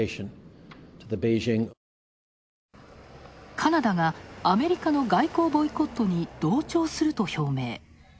カナダがアメリカの外交ボイコットに同調すると表明。